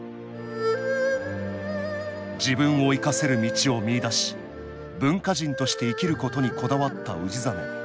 自分を生かせる道を見いだし文化人として生きることにこだわった氏真。